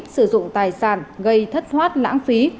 sử dụng tài sản gây thất thoát lãng phí